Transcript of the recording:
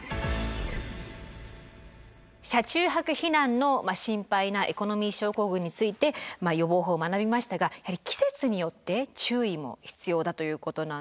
車中泊避難の心配なエコノミー症候群について予防法を学びましたが季節によって注意も必要だということなんですよね高森さん。